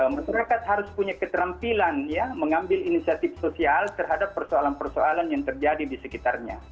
masyarakat harus punya keterampilan ya mengambil inisiatif sosial terhadap persoalan persoalan yang terjadi di sekitarnya